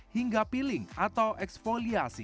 hingga peeling atau eksfoliasi